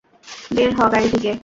বের হ গাড়ি থেকে।